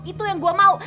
itu yang gue mau